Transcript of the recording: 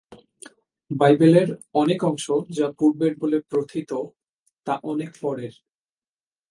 বাইবেলের অনেক অংশ যা পূর্বের বলে প্রথিত, তা অনেক পরের।